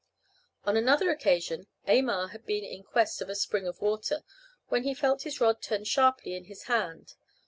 On another occasion Aymar had been in quest of a spring of water, when he felt his rod turn sharply in his hand.